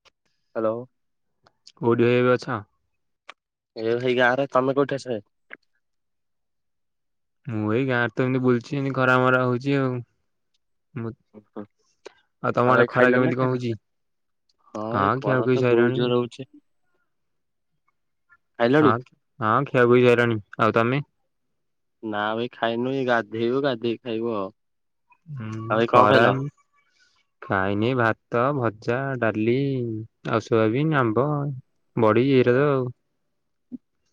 [inaudible] Hello. କୋଉଠି ଭାଈ ଏବେ ଅଛ? ଏବେ ଭାଈ ଗାଁରେ। ତମେ କଉଠି ଅଛ? ମୁଁ ଏଇ ଗାଁ ରେ ତ ଏମିତି ବୁଲୁଛି ଏମିତି ଖରା ମରା ହଉଛି ଆଉ। ମୁଁ ଆଉ ତମ ଆଡ଼େ ଭାଇ ଖରା ଖାଇଲଣି ନା କେମିତି କଣ ଖାଇନ? ହଉଛି? ଏଇ ହଁ ଖିଆ ଖରା ଖୁଇ ତ ବହୁତ ସଇଲାଣି। ଜୋର ହଉଛି ଖାଇଲଣି? ହଁ। ହଁ ଖିଆଖୁଇ ସଇଲାଣି। ଆଉ ତମେ? ନା ଭାଇ ଏ ଖାଇନୁ ଗାଧେଇବୁ ଗାଧେଇ କି ଖାଇବୁ ଆଉ। ଆଉ ହୁଁ ଭାଇ କଣ ଖରା ଖାଇଲ? ଖାଇନି ଭାତ, ଭଜା, ଡାଲି, ଆଉ ସୋୟାବିନ, ଆମ୍ବ ବଡ଼ି ଏରା ତ ଆଉ।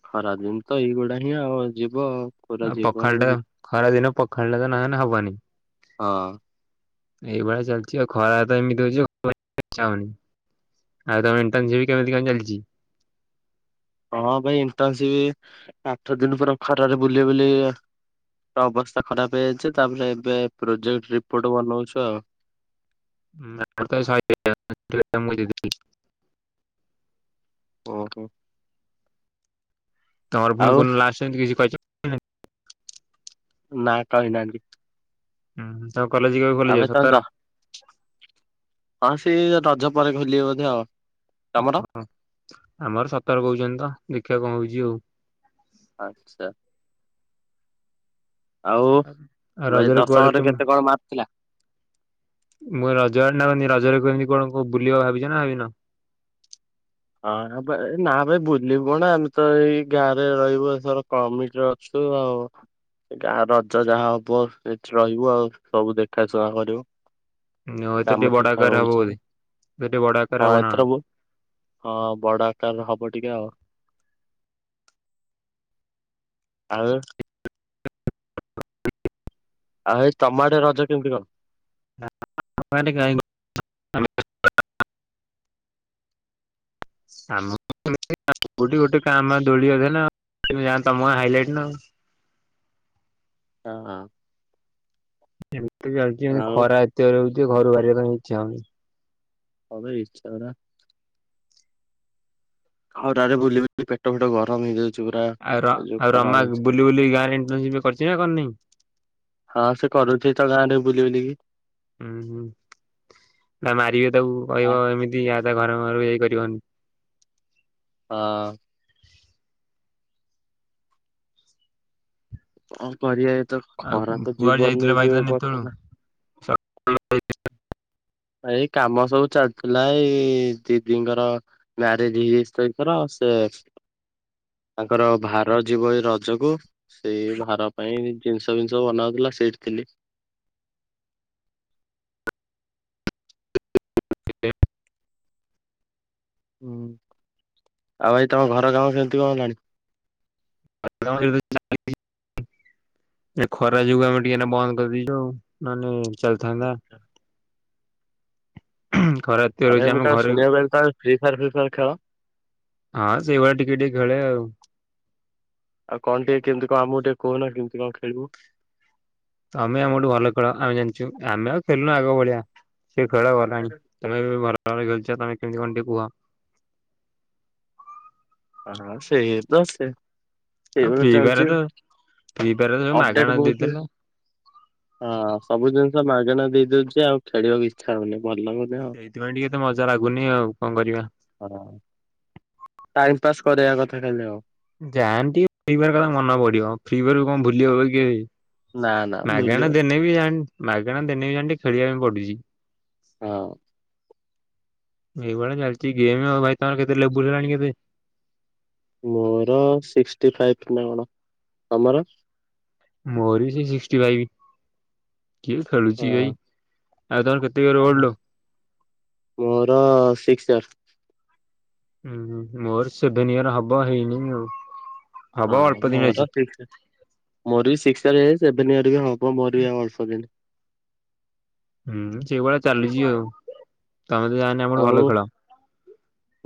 ଖରା ଦିନ ତ ଏଇଗୁଡ଼ା ହିଁ ଆଉ ଯିବ ଆଉ। ଖରା ଆ ଯିବନି ପଖାଳ ଟା ହଁ। ଖରା ଦିନ ପଖାଳଟା ତ ନହେନେ ହବନି। ଏଇଭଳିଆ ଚାଲିଛି ଆଉ ଖରା ତ ଏମିତି ହଉଛି [unintelligible] ଆଉ ତମ ଇଣ୍ଟେନସିପ୍ କେମିତି କଣ ଚାଲିଛି? ହଁ ଭାଇ ଇଣ୍ଟନସିପି ଆଠ ଦିନ ପରେ ଖରାରେ ବୁଲି ବୁଲି ଅବସ୍ଥା ଖରାପ ହେଇଯାଇଛି ତାପରେ ଏବେ ପ୍ରୋଜେକ୍ଟ ରିପୋର୍ଟ ବନଉଛୁ ଆଉ। [unintelligible] ଓ ହୋ। ତମର ଫୁଣି କଉ ଲାଷ୍ଟ ସେମିତି କିଛି କହି ନା କହିନାହାନ୍ତି। ହୁଁ ହୁଁ। ତ କଲେଜ [unintelligible] ଆବେ ତ [unintelligible] ହଁ ସି ରଜ ପରେ ଖୋଲିବେ ବୋଧେ ଆଉ ତମର? ହଁ ଆମର ସତର କହୁଛନ୍ତି ତ ଦେଖିବା କଣ ହଉଛି ଆଉ। ଆଚ୍ଛା। ଆଉ ଆଉ ଭାଇ ରଜରେ କୁଆଡେ ଦଶମରେ କେମ କେତେ କଣ ମାର୍କ ଥିଲା? ମୁଁ ରଜଗଡି ନା କି ରଜରେ କେମିତି କଣ ବୁ ବୁଲିବ ଭାବିଛ ନା ଭାବିନ? ହଁ ନା ଭାଇ ବୁଲିବୁ କଣ ଆମେ ତ ଏଇ ଗାଁରେ ରହିବୁ ଏଥର କମିଟିର ଶୁ ଆ [unintelligible] ଗାଁ ରଜ ଯାହା ହବ ସେଠି ରହିବୁ ଆଉ ସବୁ ଦେଖାଶୁଣା କରିବୁ। ଏଥର ଟିକେ କାମ ବଡ ଠିକ୍ ଠାକ୍ ଆକାର ହବ ହଉଛି, ବୋଧେ ଏଥର ଟିକେ ବଡ ଆକାର ହବ କଣ ନା ଏଥର ବୋ ହଁ ବଡ ଆକାରର ହବ ଟିକେ ଆଉ। ଆଉ ଆଉ ଏଇ ତମ ଆଡେ ରଜ କେମିତି କଣ? ଆମ ଆଡେ [unintelligible] ଆ [unintelligible] କୋଉଠି ଗୋଟେ କାଆ ଭା ଦୋଳି ଅଧେ ନା ତମ ଗାଁ ହାଇଲାଇଟି ନା ଆଉ। ହଁ ହଁ। ଏମିତି ବି ଚାଲିଛି ଏ ଆଉ ଖରା ଏତେ ଜୋରେ ହେଉଛି ଘରୁ ବାହାରିବା ପାଇଁ ଇଚ୍ଛା ହଉନି। ହଁ ବେ ଇଚ୍ଛା [unintelligible] ଖରାରେ ବୁଲିବୁଲି ପେଟ ଫେଟ ଗରମ ହେଇଯାଉଛି। ପୁରା। ଆଉ ର ଏ ଯୋଉ ଆଉ ଖରା ରମା ହଉଛି ବୁଲି ବୁଲି ଗାଁରେ ଇଣ୍ଟନସିପ୍ କରିଛି ନା କରିନି? ହଁ ସେ କରୁଛି ତ ଗାଁ ରେ ବୁଲି ବୁଲିକି। ହୁଁ ହୁଁ ତା ମାରିବେ ତାକୁ କହିବ ଏମିତି ୟା ତା ଘର ଘର କୁ ଯାଇକି କରିବନି। ହଁ। କଣ କରିବା ଏ ତ ଆଉ ଖରା କୁ- ତ କୁଆଡେ ଜୀବନ ଯାଇଥିଲେ ନେଇ ଭାଇ ଯିବ ଏ ତାହେନେ ଏତେବେଳୁ? ବର୍ଷ ଟା। ସକାଳେ ଏଇ କାମ ସବୁ ଚାଲିଥିଲା ଏଇ ଦିଦିଙ୍କର ମ୍ୟାରେଜ ହେଇଯାଇଛି ତ ଏଇଥର ସେ ତାଙ୍କର ଭାର ଯିବ ଏଇ ରଜକୁ ସେଇ ଭାର ପାଇଁ ଜିନିଷ ଫିନିଷ ବନାଉଥିଲା ସେଇଠି ଥିଲି। ହୁଁ, ଆଉ ଭାଇ ତମ ଘର କାମ କେମିତି କଣ ହେଲାଣି? [unintelligible] ଏ ଖରା ଯୋଗୁ ଆମେ ଟିକେ ଏଇନା ବନ୍ଦ କରିଦେଇଛୁ ନେହେଲେ ଚାଲିଥାନ୍ତା। ହୁଁ, ଖରା ଏତେ ଆ ରହୁଛି ଭାଇ ମୁଁ ଆମେ କା ଘରେ ଶୁଣିବା ବ ତେ ଫି ଫାର୍ ଫି ଫାର୍ ଖେଳ? ହଁ ସେଇଭଳିଆ ଟିକେ ଟିକେ ଖେଳେ ଆଉ। ଆଉ କଣ ଟିକେ କେମିତି କଣ ଆମକୁ ଟିକେ କହୁ ନା କେମିତି କଣ ଖେଳିବୁ? ତମେ ଆମ ଠୁ ଭଲ ଖେଳ ଆମେ ଜାଣିଛୁ ଆମେ ଆଉ ଖେଲୁନୁ ଆଗ ଭଳିଆ ସେ ଖେଳ ଗଲାଣି। ତମେ ଏବେ [unintelligible] ତମେ କେମିତି କଣ ଟିକେ କୁହ? ହଁ ସେଇ ତେ ସେ ଆଉ ସେଇଭଳି ଫ୍ରି ଫାୟାର ଚାଲିଛି ତ ଫ୍ରି ଫାୟାର ତ ସବୁ ଆଉ ମାଗଣା ଅପଡେଟ ବହୁ। ଦେଇଦେଲେ। [unintelligible] ହଁ ସବୁ ଜିନିଷ ମାଗଣା ଦେଇଦଉଛି ଆଉ ଖେଳିବାକୁ ଇଚ୍ଛା ହଉନି ଭଲ ଲାଗୁନି। ଆଉ। ସେଇଥିପାଇଁ ଟିକେ ତ ମଜା ଲାଗୁନି ଆଉ କଣ କରିବା। ହଁ। ଟାଇମ ପାସ୍ କରିବା କଥା ଟା ହେଲେ ଆଉ। ଯାଆନ୍ତି ଫରିବାର କଥା ମନେ ପଡିବ ଫିଇିବକୁ କଣ ଭୁଲି ହବ କିଏ। ନା ନା ମାଗଣା ଭୁଲିବନି ଦେନେ ବି ଜାଣି ମାଗଣା ଦେନେବ ଜାଣିେ ଖେଳିବା ପାଇଁ ପଡୁଛି। ହଁ। ଏଇଭଳିଆ ଚାଲିଛି ଗେମ୍ ଭାଇ ତମର କେତେ ଲେବୁଲ ହେଲାଣି କେତେ? ମୋର ସିକ୍ଟି ଫାଇଭ ନା କଣ ତମର? ମୋର ବି ସେଇ ସିକ୍ଟି ଫାଇଭ କିଏ ଖେଳୁଛି ଭାଇ ଆଉ ତମର କେ ଓହ ମୋର ସିକ୍ସ ଇୟର ହୁଁ ମୋର ସେଭେନ ଇୟର ହବ ହେଇନି ଆଉ। ହବ ହଁ ଅଳ୍ପ ଦିନ ଅଛି। ମୋରି [unintelligible] ମୋର ବି ଶିକ୍ସ ସେଭେନ ଇୟର ବି ହବ ମୋର ବି ଆଉ ଅଳ୍ପ ଦିନ। ହୁଁ ସେଇଭଳିଆ ଚାଲିଛି ଆଉ ତମେ ତ ଜାଣ ଆଉ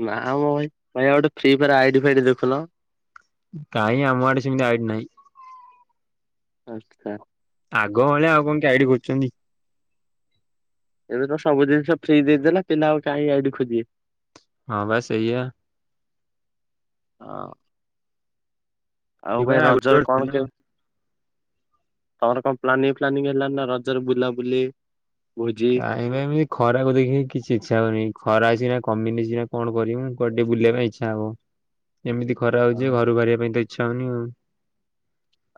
ନା ଆମ ଭାଇ, ଭାଇ ଗୋଟେ ଫ୍ରୀ ଫାୟାର ଆଇଡି ଫାଇଡି ଦେଖୁନ। କାହିଁ ଆମ ୟେଆଡେ ସେମିତି ଆଇଡି ନାଇ। ଆଚ୍ଛା। ଆଗ ଭଳିଆ ଆଉ କଣ କିଏ ଆଇଡି ଖୋଜୁଛନ୍ତି। ଏବେ ତ ସବୁ ଜିନିଷ ଫ୍ରି ଦେଇଦେଲା ପିଲା ଆଉ କାଇ ଆଇଡି ଖୋଜିିବେ। ହଁ ବା ସେଇଆ। ହଁ। ଆଉ ସେଇପାଇଁ ଭାଇ ଆଗରୁ ରଜର କଣ ଥିଲା। କେ ତମର କଣ ପ୍ଲାନିଂ ଫ୍ଲାନିଂ ହେଲାନ ନା ରଜରେ ବୁଲାବୁଲି ଭୋଜି କାଇଁ ଭାଇ ଏମିତି ଖରାକୁ ଦେଖିକି କିଛି ଇଚ୍ଛା ହଉନି ଖରା ଅଛିନା କମିିନି [unintelligible] କଣ କରିବିଁ ଟିକେ ବୁଲିବା ପାଇଁ ଇଚ୍ଛା ହବ। [inaudible] ଏମିତି ଖରା ହଉଛି ଯେ ହଁ। ଘରୁ ବାହାରିବା ପାଇଁ କେ ଇଚ୍ଛା ହଉନି ଆଉ।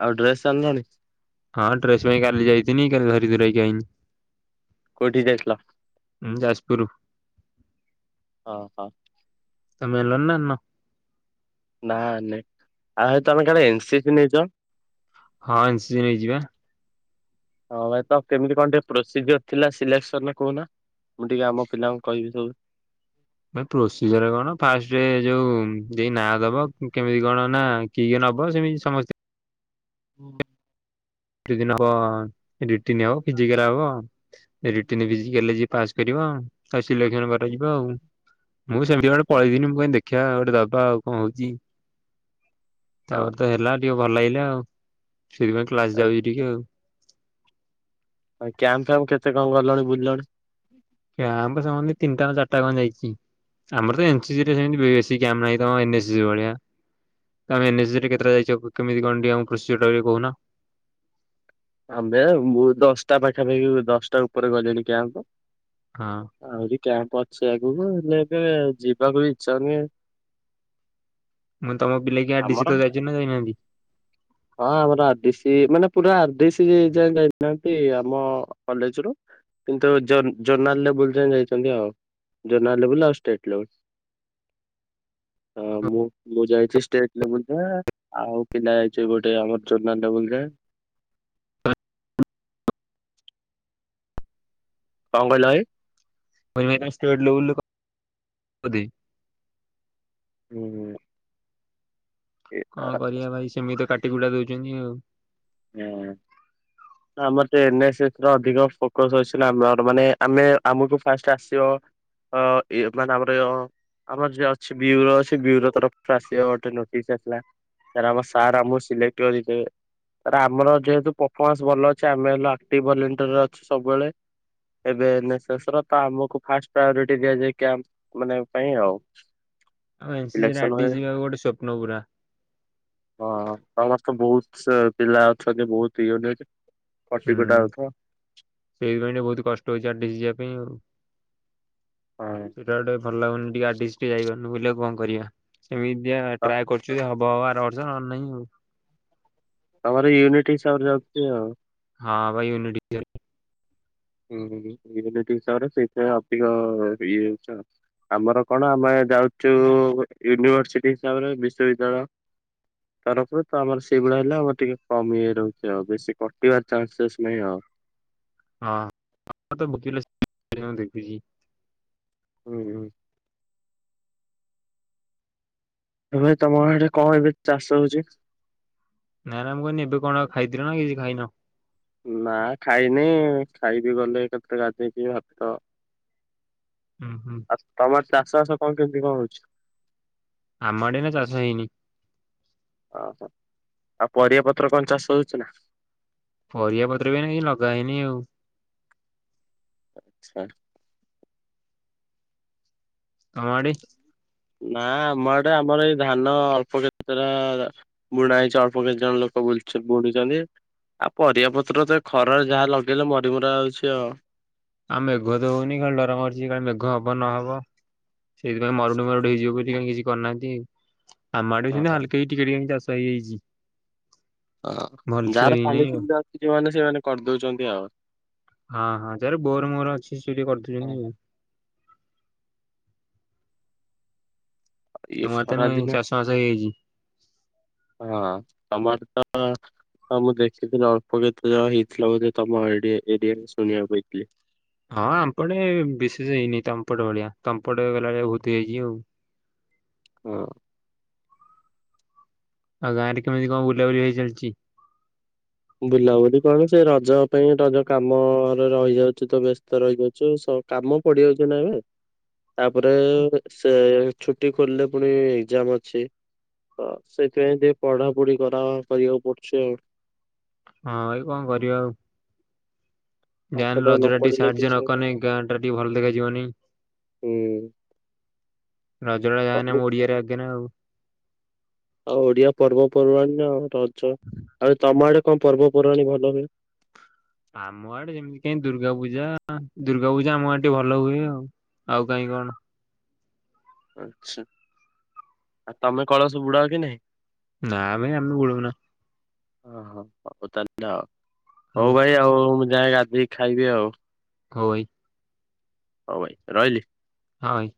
ଆଉ ଡ୍ରେସ [unintelligible] ହଁ ଟ୍ରେସ ପାଇଁ କାଲି ଯାଇ ଥିଲି କାଲି ଘରି ଧୂରେିାଇଁ [unintelligible] କୋଉଠି ଯାଇଥିଲ? ହଁ ଯାଜପୁର। ହଁ ହଁ। [unintelligible] ନା ନାଇଁ ଆଉତ ତମେ କେବେ ଏନ ସି ସି ନେଇଛ? ହଁ ଏନ୍ ସି ନେଇଛି ବା। ହଁ ଭାଇ ତ କେମିତି କଣ ଟିକେ ପ୍ରୋସିଜିର ଥିଲା ସିଲେକ୍ସନ ନା କହୁହନା ମୁଁ ଟିକେ ଆମ ପିଲାଙ୍କୁ କହିବି ସବୁ ଏ ପ୍ରୋସିଜର କଣ ଫାଷ୍ଟ ଯୋଉ ଏ ନାଁ ଦବ କେମିତି କଣ ନା କିିଏ ନବ ସେମିତି ସମସ୍ତେ ହୁଁ। [unintelligible] ଫେରି ବ ତା ସିଲକ୍ଷଣ କରାଯିବ ଆଉ ମୁଁ ସେମିତି ଗଟେ ପଳେଇଦିନି ମୁଁ କ ଦେଖି ଖିବା ଗୋଟେ ବାବା ଆଉ କଣ ହଉଛି ତାପରେ ତ ହେଲା ଟିକେ ଭଲ ଲାଗିଲା ଆଉ ସେଥିପାଇଁ କ୍ଲାସ ଯାଉଛି ଟିକେ ଆଉ। ଆଉ କ୍ୟାମ୍ପ ଫ୍ୟାମ୍ କେତେ କଣ ଗଲଣି ବୁଲିଲଣି? କ୍ୟାମ୍ପ ସମେନ୍ତି ତିନିଟାଙ୍କ ଚାରିଟା ଖଣ ଯାଇଛି। ଆମର ତ ଏନସିଜିି ରେ ସେମିତି ବେଶୀ କ୍ୟାମହିଁ ତମ ଏନ୍ ଏସ୍ ସି ଭଳିଆ ତମେ ଏନସିଜି କେତେଟା ଯାଇଛ କେମିତି କଣ ଆମ କୃଷି ବୋଲି କହୁନ ଆମ୍ବେ ମୁଁ ଦଶଟା ପାଖାପାଖି ଦଶଟା ଉପରେ ଗଲିଣି କ୍ୟାମ୍ପ ହଁ ଆହୁରି କ୍ୟାମ୍ପ ଅଛି ଆଗକୁ ହେଲେ ଏବେ ଯିବାକୁ ବି ଇଚ୍ଛା ହଉନି। ମୁଁ ତମ ପିଲା କି ଆର ଆମର ଡିିସି ତ ଯାଇଛ ନା ଯାଇନାହାନ୍ତି ହଁ ଆମର ଆର ଡିସି ମାନେ ପୁରା ଆର ଡିସି ଯାଏ ଯାଇନାହାନ୍ତି ଆମ କଲେଜ ରୁ [inaudible] କିନ୍ତୁ ଜନା ଜନାଲରେ ଲେବୁଲ ଯାଇଛନ୍ତି ଆଉ ଜନାଲେବୁଲ ଆଉ ଷ୍ଟେଟ୍ ଲେବୁଲ ହଁ ମୁଁ ମୁଁ ଯାଇଛି ଷ୍ଟେଟ ଲେବୁଲ ଆଉ ପିଲା ଯାଇଛି ଗୋଟେ ଆମର ଚୋନା ଲେବୁଲ ରେ କଣ କହିଲ ଭାଇ ଷ୍ଟେଟ ଲେବଲ [inaudible] ହୁଁ ଏ ଆ କଣ କରିବା ଭାଇ ସେମିତି ତ କାଟି କୁଟା ଦଉଛନ୍ତି ଆଉ ହୁଁ ଆମର ତ ଏ ନେ ସି ଅଧିକ ଫୋକସ ଆମ ମାନେ ଆମେ ଆମକୁ ଫାଷ୍ଟ ଆସିବ ଅ ଏଇ ମାନେ ଆମର ଆମର ଯିଏ ଅଛି ବ୍ୟୁରୋ ଅଛି ବ୍ୟୁରୋ ତରଫରୁ ଆସିବା ଗୋଟେ ନୋଟିସ୍ ଆସିଲା ସ ଆମ ସାର୍ ଆମକୁ ସିଲେକ୍ଟ କରିଵେ ଆମର ଯେହେତୁ ପଫମାନ୍ସ ଭଲ ଅଛି ଆମେ ଆକ୍ଟି ଭଲେଣ୍ଟ ର ଅ ସବୁବେଳେ ଏବେ ଏ ନ ସି ତ ଆମକୁ ଫାଷ୍ଟ ପ୍ରାୟୋରିଟି ଦିଆଯାଏ କ୍ୟାମ୍ପ ମାନେ ପାଇଁ ଆଉ ଆଉ ଏନ୍ ସି ସିରେ ସିଲେକ୍ସନ ଆଡି ହୁଏ ଯିବାକୁ ଗୋଟେ ସ୍ୱପ୍ନ ପୁରା ହଁ ସମସ୍ତ ତ ବହୁତ ପିଲା ଅଛନ୍ତି ବହୁତ ଇଏ ହୁଁ ସେଇଥିପାଇଁ ବହୁତ କଷ୍ଟ ହଉଛି ଆ ଯିବା ପାଇଁ ଆଉ ହଁ। ସେଟା ଗୋଟେ ଭଲ ଲାଗୁନି ଟିକେ ଆଡି ଯାଇପାରୁନି ବୋଲି କୁ କଣ କରିବା ସେମିତି ହ ଟ୍ରାଏ କରୁ ହବ ହବ ଆର ବର୍ଷ ନ ନାହିଁ ଆଉ ତମର ୟୁନିଟ୍ ହିସାବରେ ଯାଉଛି ଆଉ ହଁ ଭାଇ ୟୁନିଟ ହୁଁ ହିସାବରେ ସେଇଥି ପାଇଁ ଅଧିକ ଇଏ ଆମର କଣ ଆମେ ଯାଉଛୁ ୟୁନିଭର୍ସିଟି ହିସାବରେ ବିଶ୍ବବିଦ୍ୟାଳୟ ତରଫରେ ତ ଆମର ସେଇଭଳିଆ ହେଲେ ଆମର ଟିକେ କମି ହେଇ ରହୁଛି ଆଉ ବେଶୀ କଟିବାର ଚାନ୍ସେସ୍ ନାହିଁ ଆଉ ହଁ ତ ବିଲ ଦେଖୁଛି [unintelligible] ହୁଁ ହୁଁ ଏ ଭାଇ ତମ ଆଡେ କଣ ଏବେ ଚାଷ ହଉଛି ନା ନାମ କହିନି ଏବେ କଣ ଖାଇଥିଲ ନା କିଛି ଖାଇନ ନା ଖାଇନି ଖାଇବି ଗଲେ କେତେ ଗାଧେଇ କି ଭାତ ହୁଁ ହୁଁ ଆଉ ତମର ଚାଷ ବାସ କଣ କେମିତି କଣ ହଉଛି ଆମ ଆଡେ ଏଇନା ଚାଷ ହେଇନି ଓହୋ ଆଉ ପରିବା ପତ୍ର କଣ ଚାଷ ହଉଛି ନା। ପରିବା ପତ୍ର ବି ଏଇନା ଲଗା ହେଇନି ଆଉ ଆଚ୍ଛା। କମାଡ଼ି ନା ଆମ ଆଡ଼େ ଆମର ଏଇ ଧାନ ଅଳ୍ପ କ୍ଷେତ ବୁଣା ହେଇଛି ଅଳ୍ପ କିଛି ଜଣ ଲୋକ ବୁଣି ବୁଢୁଛନ୍ତି। ଆଉ ପରିବା ପତ୍ର ତ ଖରାରେ ଯାହା ଲଗେଇଲେ ମରି ମରା ଯାଉଛି ଆଉ। ଆଉ ମେଘ ତ ହଉନି କାଲି ଡର ମାରୁଛି କାଲି ମେଘ ହବ ନହବ। ସେଇଥିା ପାଇଁ ମରୁଡି ଫରୁଡି ହେଇଯିବ ବୋଲି କାଇଁ କିଛି କରିନାହାନ୍ତି। ଆମଡେ ବି ସେମିତି ହଁ ହାଲକେଇ ଟିକେ ଚାଷ ହେଇଯାଇଛି। ହଁ ଭଲସେ ଯାହାର ହେଇନି ପାଣି ଆଉ। ସିଧା ଅଛି ଯୋଉମାନେ ସେମାନେ କରିଦଉଛନ୍ତି ଆଉ। ହଁ ହଁ ଯାର ବୋର ମୋର ଅଛି ସେ ଟିକେ କରିଦେଉଛନ୍ତି ଆଉ। ହଁ। ଇଏ ତମ ଆଡେ ତାହେନେ ଖରାଧିନ ଚାଷ ବାସ ହେଇଯାଇଛି? ହଁ ତମର ତ ହଁ ମୁଁ ଦେଖିଥିଲି ଅଳ୍ପ କେତେ ଯାହା ହେଇଥିଲା ବୋ ତମ ଏ ଏରିଆରେ ଶୁଣିବାକୁ ପାଇଥିଲି। ହଁ ଆମ୍ପଟେ ବିଶେଷ ହେଇନି ତମ୍ପଟ ଭଳିଆ ତମ୍ପଟ ଗଲାବେଳିଆ ବୋହୁତ୍ ହେଇଛି ଆଉ। ହଁ। ଆଉ ଗାଁରେ କେମିତି କଣ ବୁଲାବୁଲି ହେଇ ଚାଲିଛି? ବୁଲାବୁଲି କଣ ସେ ରଜ ପାଇଁ ରଜ କାମରେ ରହିଯାଉଛି ତ ବ୍ୟସ୍ତ ରହିଯାଉଛୁ କାମ ପଡିଯାଉଛି ନା ଏବେ ତାପରେ ହଁ ସେ ଛୁଟି ଖୋଲିଲେ ପୁଣି ଏକ୍ଜାମ ଅଛି। ତ ସେଥିପାଇଁ ଟିକେ ପଢା ପଢି କରା କରିବାକୁ ପଡୁଛି ଆଉ। ହଁ ଏଇ କଣ କରିବା ଆଉ। ଯାହା ପାଠ ହେଲେ ତ ରଜ ନ ଟା ଟିକେ ପଢିଲେ ସାହାଯ୍ୟ କିଛି ହବନି। ନକନେ ଗାଁ ଟା ଟିକେ ଭଲ ଦେଖାଯିବନି। ହୁଁ। ରଜଟା ଯା ହେନେଁ ସବୁ ଆମ ଓଡିଆରେ ଅଛି ନା ଆଉ। ଆଉ ଓଡିଆ ପର୍ବପର୍ବାଣି ଆ ରଜ। ଆଉ ତମ ଆଡେ କଣ ପର୍ବପର୍ବାଣିୀ ଭଲ ହୁଏ? ଆମ ଆଡେ ଯେମିତି କାଇଁ ଦୁର୍ଗା ପୂଜା ଦୁର୍ଗା ପୂଜା ଆମ ଆଡେ ଭଲ ହୁଏ ଆଉ। ଆଉ କାହିଁ କଣ? ଆଛା। ଆଉ ତମେ କଳସ ବୁଡା କି ନାହିଁ? ନା ଆମେ, ଆମେ [unintelligible] ନା ଓ ହୋ ହଉ ତା ହେଲେ। ହଉ ଭାଇ ଆଉ ଯାଏ ଗାଧେଇ କି ଖାଇବି ଆଉ। ହଉ ଭାଇ। ହଉ ଭାଇ ରହିଲି। ହଁ ଭାଇ।